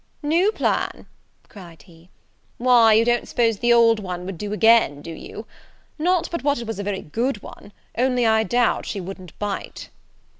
"New plan!" cried he; "why, you don't suppose the old one would do again, do you? Not but what it was a very good one, only I doubt she wouldn't bite."